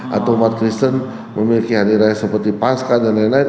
dan umat kristen memiliki hadirah seperti pasca dan lain lain